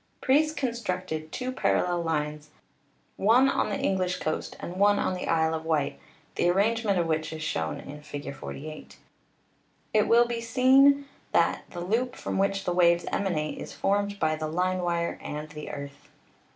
Preece constructed two parallel lines, one on the Eng WIRELESS TELEGRAPHY 3*3 lish coast and one on the Isle of Wight, the arrange ment of which is shown in Fig. 48. It will be seen that the loop from which the waves emanate is formed by the line wire and the earth.